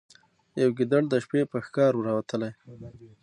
یو ګیدړ د شپې په ښکار وو راوتلی